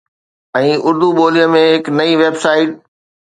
۽ اردو ٻولي ۾ هڪ نئين ويب سائيٽ